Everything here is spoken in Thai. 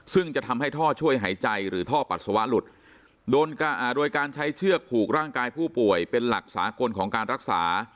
ซึ่งจะทำให้ท่อช่วยหายใจหรือท่อปัสสาวะหลุดโดยการใช้เชือกผูกร่างกายผู้ป่วยเป็นหลักสากลของการรักษา